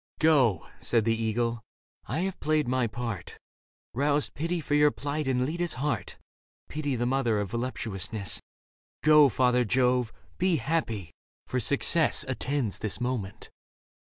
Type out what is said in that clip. " Go," said the eagle, " I have played my part, Roused pity for your plight in Leda's heart (Pity the mother of voluptuousness). Go, father Jove ; be happy ; for success Attends this moment."